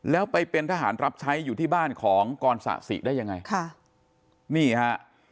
แล้วไปเป็นทหารรับใช้อยู่ที่บ้านของกรสะสิได้ยังไงค่ะนี่ฮะ